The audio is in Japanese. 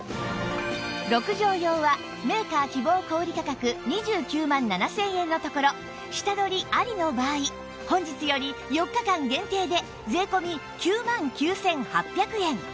６畳用はメーカー希望小売価格２９万７０００円のところ下取りありの場合本日より４日間限定で税込９万９８００円